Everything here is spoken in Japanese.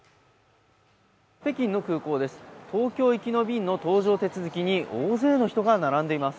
北京の空港です。